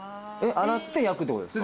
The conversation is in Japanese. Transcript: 洗って焼くってことですか？